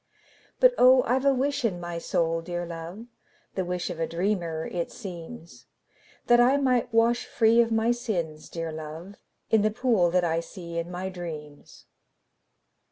But, oh, I 've a wish in my soul, dear love, (The wish of a dreamer, it seems,) That I might wash free of my sins, dear love, In the pool that I see in my dreams.